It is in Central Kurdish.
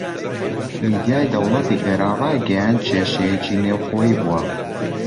میدیای دەوڵەتی ئێران ڕایگەیاند کێشەیەکی نێوخۆیی بووە